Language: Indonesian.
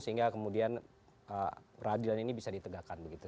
sehingga kemudian peradilan ini bisa ditegakkan begitu